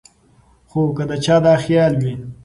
خو کۀ د چا دا خيال وي